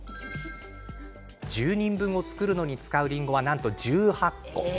１０人分を作るのに使うりんごはなんと１８個。